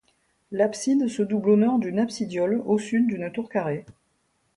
L’abside se double au nord d’une absidiole, au sud d’une tour carrée.